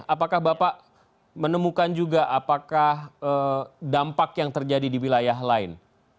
apakah bapak menemukan juga apakah dampak yang terjadi di wilayah lain